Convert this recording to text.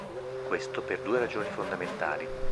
Questo per due ragioni fondamentali.